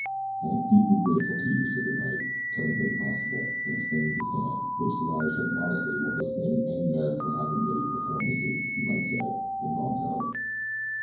"I am deeply grateful to you," said the knight, turning to the constable, and extending his hand, which the latter shook modestly while disclaiming any merit for having merely performed his duty he might say, involuntarily.